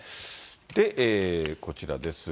で、こちらです。